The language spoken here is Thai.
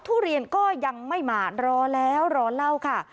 ทุเรียนก็ยังไม่มารอแล้วรอเล่าค่ะ